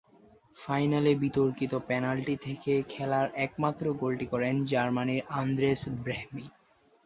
ফাইনালে বিতর্কিত পেনাল্টি থেকে খেলার একমাত্র গোলটি করেন জার্মানির আন্দ্রেস ব্রেহমি।